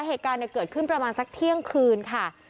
เหตุการณ์เกิดขึ้นประมาณสักเที่ยงคืนค่ะ